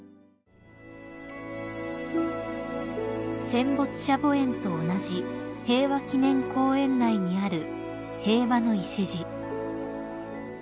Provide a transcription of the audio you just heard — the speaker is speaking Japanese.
［戦没者墓苑と同じ平和祈念公園内にある平和の礎］